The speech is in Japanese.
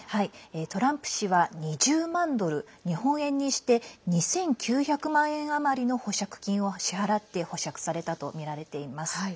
トランプ氏は２０万ドル日本円にして２９００万円余りの保釈金を支払って保釈されたとみられています。